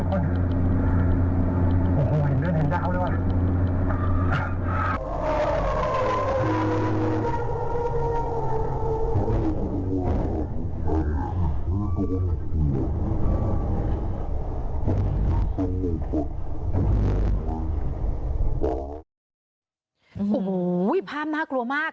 โอ้โหภาพน่ากลัวมาก